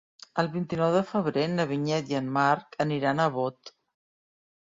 El vint-i-nou de febrer na Vinyet i en Marc aniran a Bot.